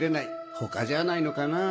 他じゃないのかな？